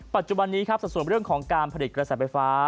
ปัจจุบันนี้ครับสัดส่วนเรื่องของการผลิตกระแสไฟฟ้า